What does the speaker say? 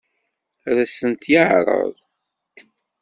Ad as-ten-yeɛṛeḍ?